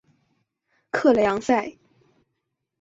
克雷昂塞。